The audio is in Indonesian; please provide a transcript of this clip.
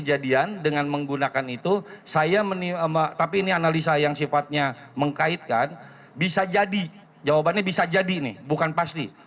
jawabannya bisa jadi nih bukan pasti